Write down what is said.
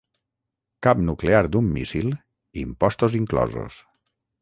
Cap nuclear d'un míssil, impostos inclosos.